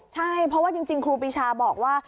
ใช่เพราะว่าจริงครูปีชาบอกว่า